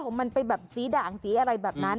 มันเป็นแบบสีด่างสีอะไรแบบนั้น